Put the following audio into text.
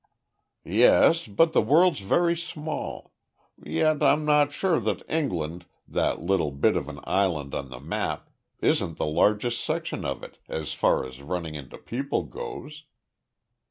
"Yes, but the world's very small. Yet, I'm not sure that England, that little bit of an island on the map, isn't the largest section of it as far as running into people goes."